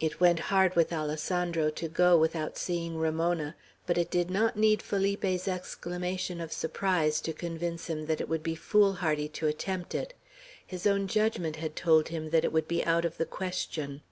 It went hard with Alessandro to go without seeing Ramona; but it did not need Felipe's exclamation of surprise, to convince him that it would be foolhardy to attempt it. His own judgment had told him that it would be out of the question.